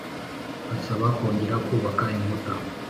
Asaba kongera kubaka inkuta